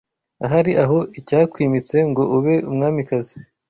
Ahari aho icyakwimitse ngo ube umwamikazi